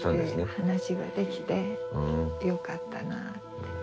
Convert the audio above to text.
話ができてよかったなって。